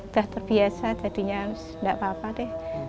udah terbiasa jadinya nggak apa apa deh